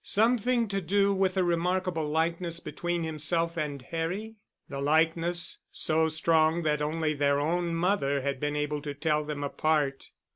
Something to do with the remarkable likeness between himself and Harry? The likeness,—so strong that only their own mother had been able to tell them apart.